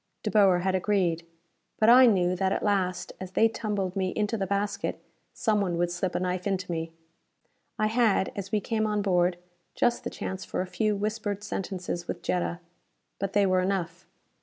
De Boer had agreed. But I knew that at last, as they tumbled me into the basket, someone would slip a knife into me! I had, as we came on board, just the chance for a few whispered sentences with Jetta. But they were enough!